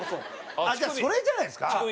あっそれじゃないですか？